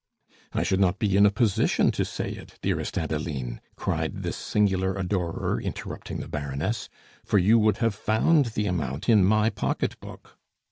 "I should not be in a position to say it, dearest Adeline," cried this singular adorer, interrupting the Baroness, "for you would have found the amount in my pocket book."